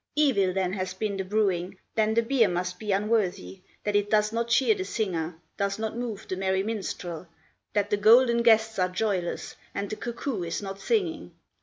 Evil then has been the brewing, Then the beer must be unworthy, That it does not cheer the singer, Does not move the merry minstrel, That the golden guests are joyless, And the cuckoo is not singing.